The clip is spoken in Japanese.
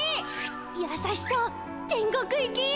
やさしそう天国行き！